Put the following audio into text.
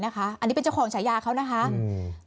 นะคะอันนี้เป็นจะของฉายาเขานะคะอืม